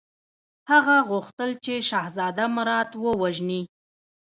هغه غوښتل چې شهزاده مراد ووژني.